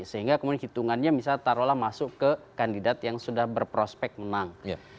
sehingga kemudian hitungannya misalnya taruhlah masuk ke kandidat yang sudah berprospek menang